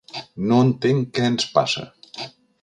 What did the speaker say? No entenc què ens passa.